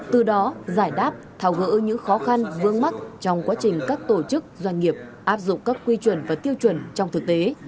từ đó giải đáp tháo gỡ những khó khăn vương mắc trong quá trình các tổ chức doanh nghiệp áp dụng các quy chuẩn và tiêu chuẩn trong thực tế